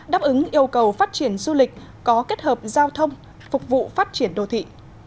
đáp ứng yêu cầu phát triển du lịch có kết hợp giao thông phục vụ phát triển đô thị